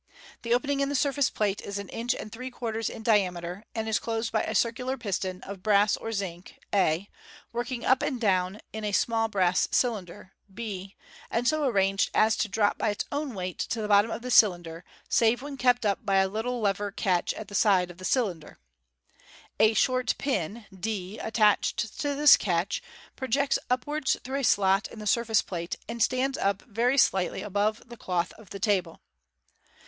The open ing in the surface plate is an inch and three quarters in diameter, and is closed by a circular piston of brass or zinc, a, working up and down in a small brass cylinder b, and so arranged as to drop by its own weight to the bottom of the cylin der, save when kept up by a little lever catch at the side of the cylinder. A short pin d attached to this catch pro jects upwards through a slot in the surface plate, and stands up very slightly above the cloth of the table.